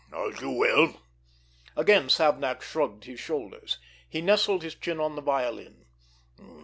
"As you will!" Again Savnak shrugged his shoulders. He nestled his chin on the violin.